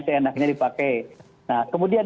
saya enaknya dipakai nah kemudian